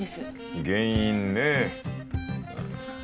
原因ね。